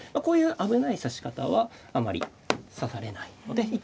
こういう危ない指し方はあまり指されないので。